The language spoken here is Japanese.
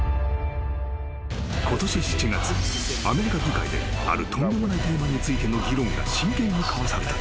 ［ことし７月アメリカ議会であるとんでもないテーマについての議論が真剣に交わされた。